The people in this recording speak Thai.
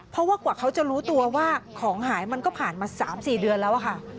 เพราะว่ากว่าเขาจะรู้ตัวว่าของหายมันก็ผ่านมา๓๔เดือนแล้วค่ะ